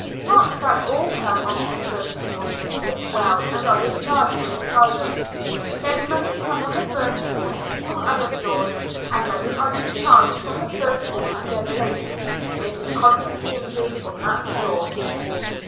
Not that all come on to the first hall who get well and are discharged from the asylum, yet many come on the first hall from other floors, and many are discharged from the first hall and go home, making constant changes on that floor.